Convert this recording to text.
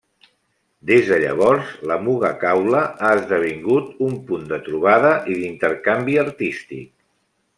Des de llavores la Muga Caula ha esdevingut un punt de trobada i d'intercanvi artístic.